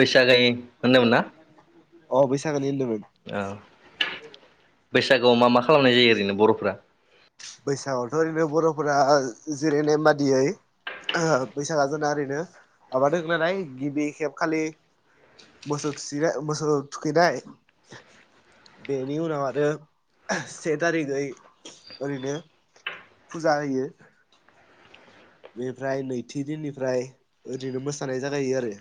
बैसाजायो होनदोंमोन ना अ बैसागोनि होनदो औ बै जागौ मा मा खालामनाय जायो ओरैनो बर'फ्रा बैसागआवथ' ओरैनो बर'फोरा जिरायनाय बादियै बैसागो जोंना ओरैनो आबाद हो नालाय गिबि खेब खालि मोसौ थुसिनाय मोसौ थुखैनाय बेनि उनाव आरो से थारिखै ओरैनो फुजा होयो बेनिफ्राय नैथि दिननिफ्राय ओरैनो मोसानाय जागायो आरो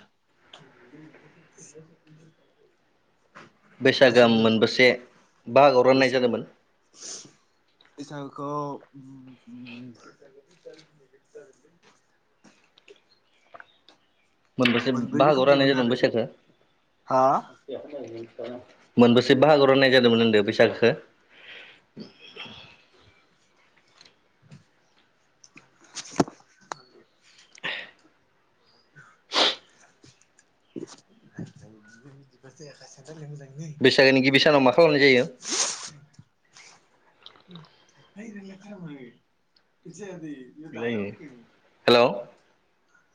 बैसागो आ मोनबसे बैसाग बैसाग खौ [unintelligible] मोनबसो बाहागोआव राननाय मोनो जादोंमोन आरो बैसागोखौ हा मोनबसे बाहागो होननाय जादोंमोन होनदों बैसागुखौ [unintelligible] बैसागोनि गिबि सानाव मा खालामनाय जायो [unintelligible] हेल'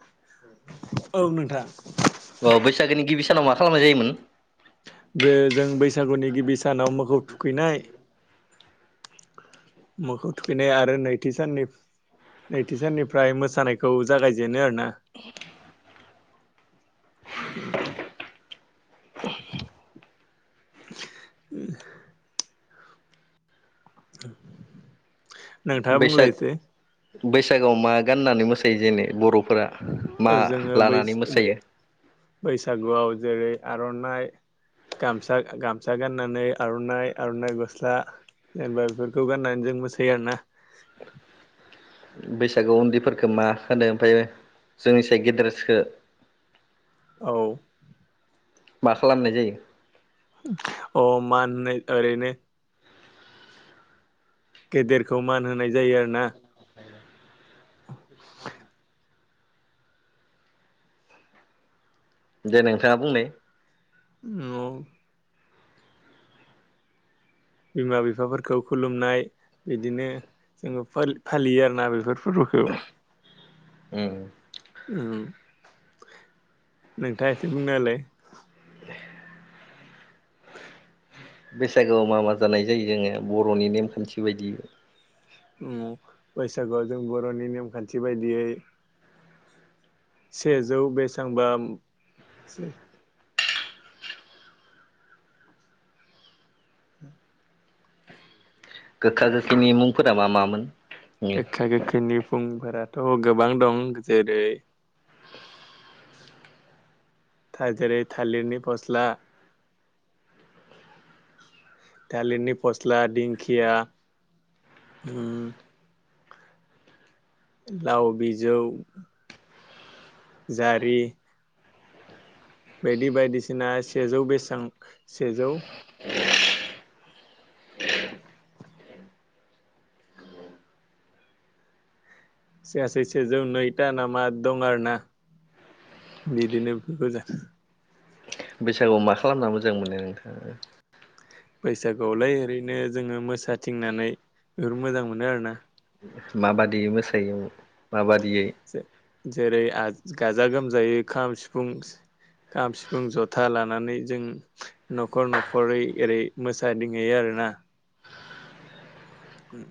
औ नोंथां अ बैसागोनि गिबि सानाव मा खालामनाय जायोमोन बे जों बैसागुनि गिबि दानाव मोखौ थुखैनाय। मोखौ थुखैनाय आरो नैथि साननि नैथि साननिफ्राय मोसानायखौ जागायजेनो आरोना। औ। [inaudible] [inaudible] नोंथाङा बैसाग बुंलाय एसे। बैसागोआव मा गाननानै मोसायो जेने बर'। जोङो बैसागुआव जेरै आर'नाइ। गामसा गाननानै गाननानै आर'नाइ आर'नाइ गस्ला जेनेबा बेफोरखौ गाननानै जों मोसायो आरोना। बैसागुआव उन्दैफोरखौ मा होनो ओमफ्राय जोंनिसाय गेदेरखो। औ। मा खालामनाय जायो? अ माननो ओरैनो। गेदेरखौ। मान होनाय जायो आरो ना। दे नोंथाङा बुंनाय। [inaudible] बिमा बिफाफोरखौ खुलुमनाय बिदिनो जोङो फा-फालियो आरोना बेफोर। [inaudible] ओ उम नोंथाङा एसे बुंना होलाय। बैसागोआव मा मा जानाय जायो जोङो बर'नि नेमखान्थि बायदि। ओ बैसागुआव जों बर'नि नेमखान्थि बायदियै। सेजौ बेसांबा। गोखा गोखैनि मुंफोरा मा मामोन? गोगखा गोगखैनि फुं फोराथ' गोबां दं जेरै था जेरै थालिरनि फस्ला। थालिरनि फस्ला दिंखया उम लाव बिजौ। जारि। बायदि बायदिसिना सेजौ बेसां सेजौ सेयासेै सेजौ नैथा नामा दं आरोना बिदिनो बैसागुआव मा खालामना मोजां मोनो नोंथाङा। बैसागुआवलाय ओरैनो जोङो मोसाथिंनानै बेखौ मोजां मोनो आरोना। माबादि मोसायो माबादि। जे जेरै आ। गाजा गोमजायै खाम सिफुं खाम सिफुं जथा लानानै जों न'खर न'खरै ओरै मोसादंहैयो आरोना। ओम।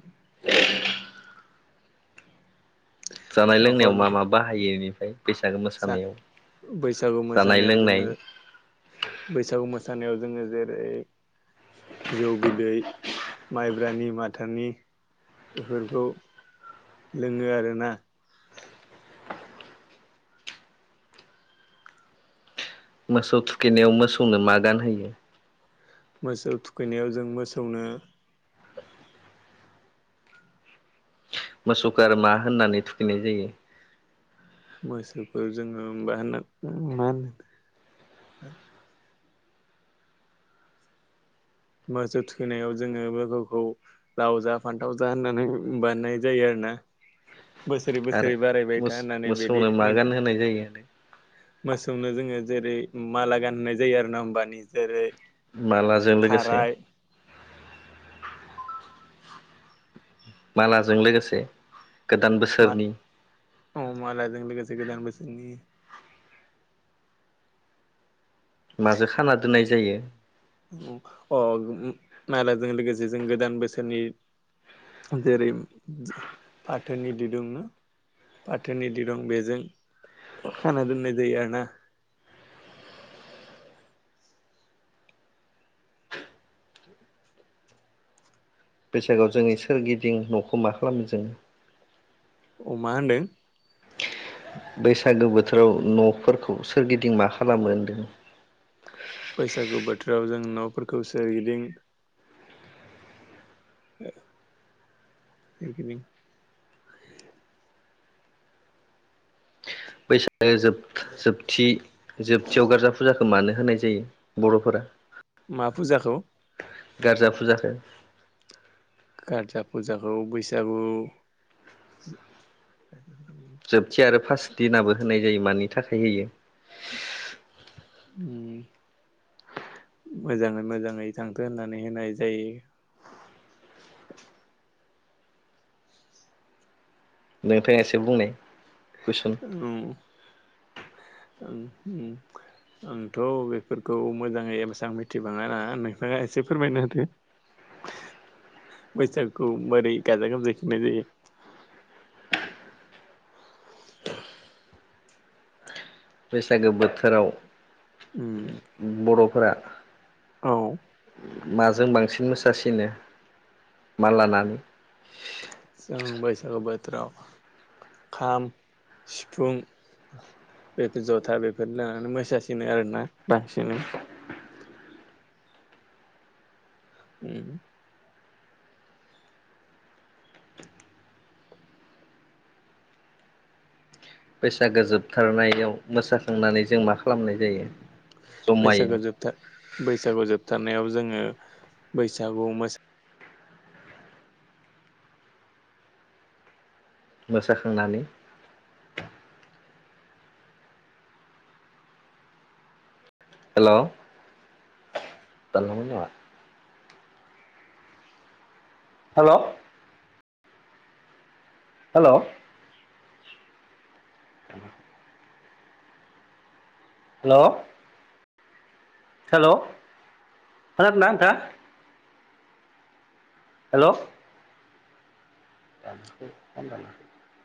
जानाय न'खर लोंनायाव मा न'खर मा बाहायो। बैसागो जा मोसानायाव बैसागु जानाय मोसानायाव लोंनाय जोङो बैसागु मो सानायाव जोङो जेरै जौ बिदै माइब्रानि माथानि बेफोरखौ लोङो आरोना। मोसौ थुखैनायाव मोसौनो मा गानहोयो? मोसौ थुखैनायाव जों मोसौनो मोसौखौ आरो मा होननानै थुखैनाय जायो मोसौफोर जोङो मा होनना मा होनो मोसौ थुखैनायाव जोङो मोसौखौ लाव जा फान्थाव जा होननानै बानायनाय जायो आरोना। बोसोरै आरो बोसोरै बारायबाय था होननानै बिदि मोसौनो मा मोनथों गानहोनाय जायो? मोसौनो जोङो जेरै माला गाननाय जायो आरो ना होमबानि जेरै माला जों लोगोसे थाराय मालाजों लोगोसे गोदान मा बोसोरनि मालाजों लोगोसे गोदान बोसोरनि जोंनि माजो खाना दोननाय जायो अ मालाजों लोगोसे जों गोदान बोसोरनि जेरै फाथोनि दिरुं फाथोनि दिरुं बेजों खाना दोननाय जायो आरो ना बैसागोआव जोंनि सोरगिदिं न'खौ मा खालामो जोङो अ मा होन्दों? बैसागो बोथोराव न'फोरखौ सोरगिदिं मा खालामो होनदों? बैसागु बोथोराव जों न'फोरखौ सोरगिदिं [unintelligible] सोरगिदिं [inaudible] बैसागो जोब जोबथि जोबथियाव गारजा फुजाखौ मानो होनाय जायो बर'फोरा? मा फुजाखौ? गारजा फुजखौ गारजा फुजाखौ बैसागु जोबथि आरो फास दिनाबो होनाय जायो मानि थाखाय होयो? मोजाङै मोजाङै थांगोन होननानै होनाय जायो। नोंथाङा एसे बुंनाय। कुइसन उम। [inaudible] आंथ' बेफोरखौ मोजाङै एसेबां मिथि बाङा ना नोंथाङा एसे फोरमायना होदो बैसागुखौ बोरै गाजा गोमजायै खुंनाय जायो? बैसागो बोथोराव उम बर'फोरा औ माजों बांसिन मोसासिनो मा लानानै? जों बैसागु बोथोराव खाम सिफुं बेफोर जथा बेफोर लानानै मोसासिनो आरोना बांसिनै। उम बैसागो जोब थारनायाव मोसा खांनानै जों मा खालामनाय जायो बैसागु जमायै जोबथा बैसागु जोबथार नायाव जोङो बैसागु मोसा मोसा खांनानै। हेल' [inaudible] हेल' हेल' [inaudible] हेल' हेल' खोना दोंना नोंथां? हेल' [inaudible]